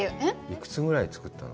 幾つぐらい作ったの？